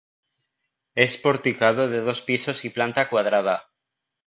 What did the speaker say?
Es porticado de dos pisos y planta cuadrada.